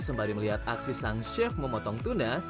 sembari melihat aksi sang chef memotong tuna